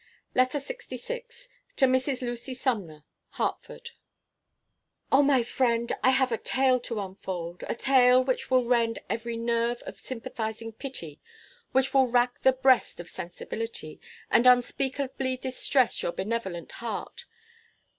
LETTER LXVI. TO MRS. LUCY SUMNER. HARTFORD. O my friend, I have a tale to unfold a tale which will rend every nerve of sympathizing pity, which will rack the breast of sensibility, and unspeakably distress your benevolent heart.